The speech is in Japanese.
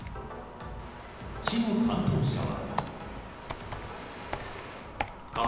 市の担当者は。